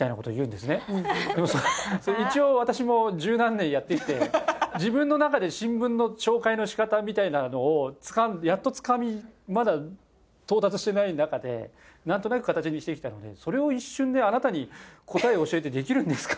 でもそれ一応私も十何年やってきて自分の中で新聞の紹介の仕方みたいなのをやっとつかみまだ到達してない中でなんとなく形にしてきたのにそれを一瞬であなたに答えを教えてできるんですか？